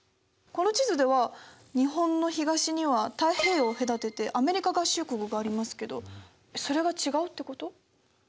この地図では日本の東には太平洋を隔ててアメリカ合衆国がありますけどそれが違うってこと？